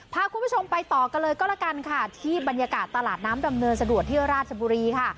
พาคุณผู้ชมไปต่อกันเลยก็แล้วกันค่ะที่บรรยากาศตลาดน้ำดำเนินสะดวกที่ราชบุรีค่ะ